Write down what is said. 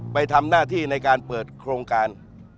ไปทำหน้าที่ในการเปิดโครงการ